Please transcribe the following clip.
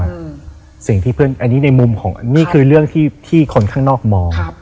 อันนี้คือเรื่องที่คนข้างนอกมอง